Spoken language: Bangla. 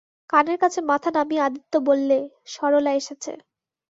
কানের কাছে মাথা নামিয়ে আদিত্য বললে, সরলা এসেছে।